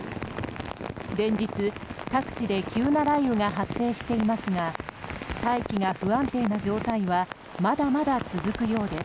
連日、各地で急な雷雨が発生していますが大気が不安定な状態はまだまだ続くようです。